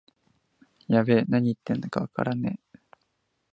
やべえ、なに言ってんのかわからねえ